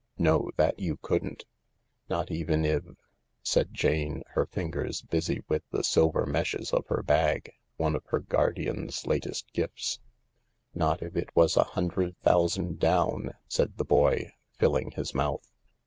No, that you couldn't. ..."" Not even if ..." said Jane, her fingers busy with the silver meshes of her bag— one of the Guardian's latest gifts. " Not if it was a hundred thousand down," said the boy, filling his mouth.